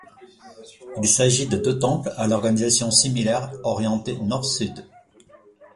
Il s'agit de deux temples à l'organisation similaire, orientés nord-sud.